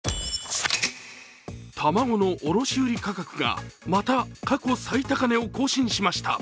卵の卸売価格がまた過去最高値を更新しました。